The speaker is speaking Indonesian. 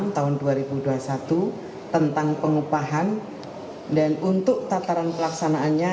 tahun dua ribu dua puluh satu tentang pengupahan dan untuk tataran pelaksanaannya